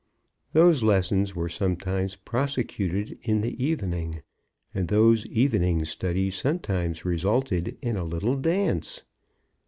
Those lessons were sometimes prosecuted in the evening, and those evening studies sometimes resulted in a little dance.